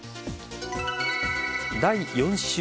第４週。